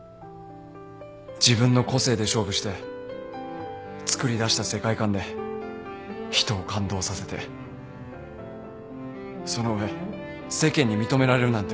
自分の個性で勝負してつくり出した世界観で人を感動させてその上世間に認められるなんて。